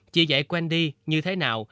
chị dạy wendy như thế nào